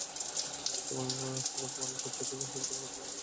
সকাল পৌনে সাতটার দিকে হাসপাতালের কর্তব্যরত চিকিৎসক তাঁকে মৃত ঘোষণা করেন।